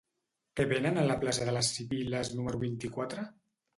Què venen a la plaça de les Sibil·les número vint-i-quatre?